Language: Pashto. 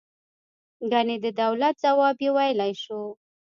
ګنې د دولت ځواب یې ویلای شو.